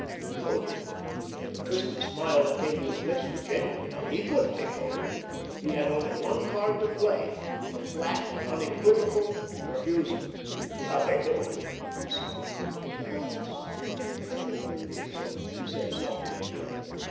Decode it! The twisted smile that came to his lips was genuine enough. He couldn't decode it. He had only one card to play—a flat and unequivocal refusal. "Nothing doing!" he snarled. "Oh, yes, I think there is," she said softly again.